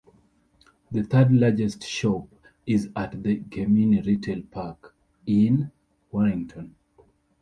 The third largest shop is at the Gemini Retail Park in Warrington.